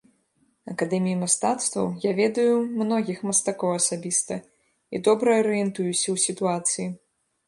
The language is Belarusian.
Акадэміі мастацтваў, я ведаю многіх мастакоў асабіста і добра арыентуюся ў сітуацыі.